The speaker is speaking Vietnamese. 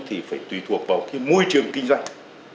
thì phải tùy thuộc vào môi trường kinh doanh